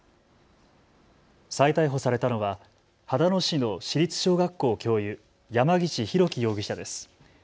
再逮捕されたのは秦野市の市立小学校教諭、山岸浩己容疑者です。